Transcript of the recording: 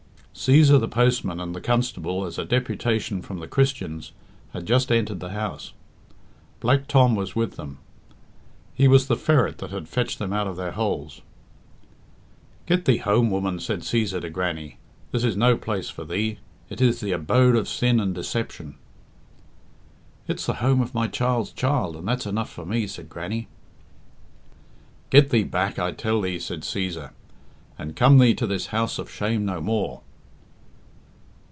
Cæsar, the postman, and the constable, as a deputation from "The Christians," had just entered the house. Black Tom was with them. He was the ferret that had fetched them out of their holes. "Get thee home, woman," said Cæsar to Grannie, "This is no place for thee. It is the abode of sin and deception." "It's the home of my child's child, and that's enough for me," said Grannie. "Get thee back, I tell thee," said Cæsar, "and come thee to this house of shame no more."